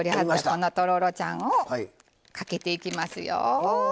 このとろろちゃんをかけていきますよ。